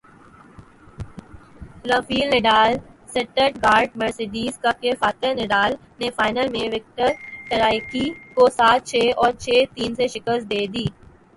Rafale Nadal Stuttgart Mercedes cup کے فاتح Nadal نے فائنل میں وکٹر ٹرائیکی کو سات چھے اور چھے تین سے شکست دی